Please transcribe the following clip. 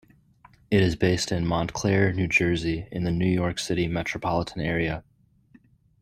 It is based in Montclair, New Jersey in the New York City Metropolitan Area.